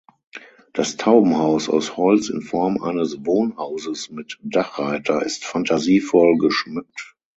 Das Taubenhaus aus Holz in Form eines Wohnhauses mit Dachreiter ist fantasievoll geschmückt.